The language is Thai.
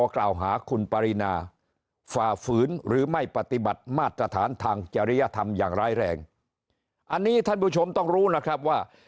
กล่าวหาคุณปรินาฝ่าฝืนหรือไม่ปฏิบัติมาตรฐานทางจริยธรรมอย่างร้ายแรงอันนี้ท่านผู้ชมต้องรู้นะครับว่า